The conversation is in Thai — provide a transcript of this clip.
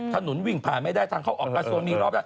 ถนนวิ่งผ่านไม่ได้ทางเข้าออกกระทรวงมีรอบได้